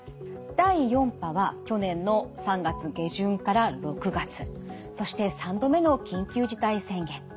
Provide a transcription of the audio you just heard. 第４波は去年の３月下旬から６月そして３度目の緊急事態宣言。